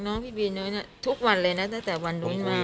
พี่บีน้อยทุกวันเลยนะตั้งแต่วันนู้นมา